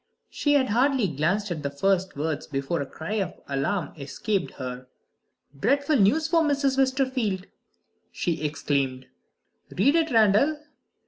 She had hardly glanced at the first words before a cry of alarm escaped her. "Dreadful news for Miss Westerfield!" she exclaimed. "Read it, Randal."